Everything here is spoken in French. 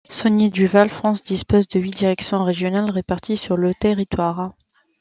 Saunier Duval France dispose de huit directions régionales réparties sur le territoire.